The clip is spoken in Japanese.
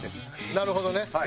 なるほどね。